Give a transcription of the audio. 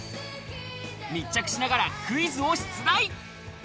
密着しながらクイズを出題！